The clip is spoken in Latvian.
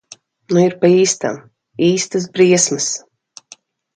Nu ir pa īstam. Īstas briesmas.